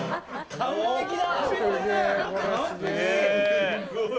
完璧だ！